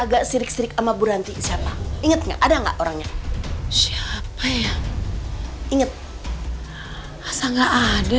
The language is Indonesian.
agak sirik sirik ama buranti siapa inget ada enggak orangnya siapa ya inget asal enggak ada